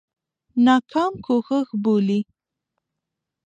ناکام کوښښ بولي.